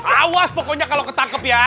awas pokoknya kalau ketangkep ya